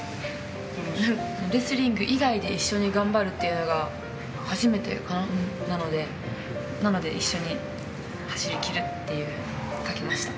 レスリング以外で一緒に頑張るというのが、初めてかな、なので、一緒に走り切るというふうに書きました。